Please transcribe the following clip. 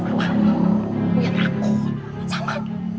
pak mau tanya